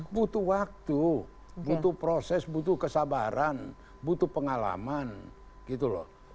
butuh waktu butuh proses butuh kesabaran butuh pengalaman gitu loh